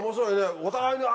お互いにあ！